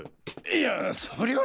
いやそれは。